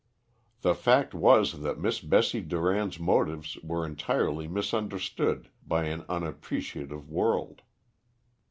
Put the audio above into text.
The fact was that Miss Bessie Durand's motives were entirely misunderstood by an unappreciative world.